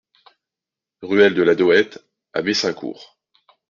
Ruelle de la Dohette à Messincourt